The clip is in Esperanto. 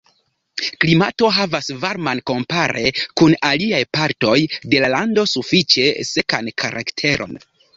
Klimato havas varman, kompare kun aliaj partoj de lando sufiĉe sekan karakteron.